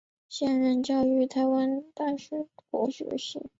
现任教于国立台湾师范大学国文学系。